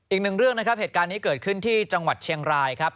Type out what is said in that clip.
อีกหนึ่งเรื่องนะครับเหตุการณ์นี้เกิดขึ้นที่จังหวัดเชียงรายครับ